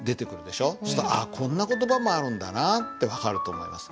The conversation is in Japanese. ああこんな言葉もあるんだなって分かると思います。